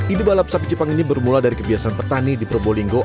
ide balap sapi jepang ini bermula dari kebiasaan petani di probolinggo